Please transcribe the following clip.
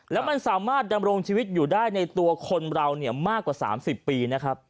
แล้วมันสามารถดำรงชีวิตอยู่ได้ในตัวคนเราเนี่ยมากกว่า๓๐ปีนะครับ